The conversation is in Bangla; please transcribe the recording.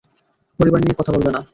পরিবার নিয়ে কথা বলবে না।